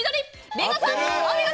リンゴさん、お見事！